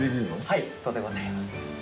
はいそうでございます。